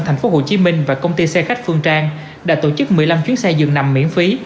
thành phố hồ chí minh và công ty xe khách phương trang đã tổ chức một mươi năm chuyến xe dừng nằm miễn phí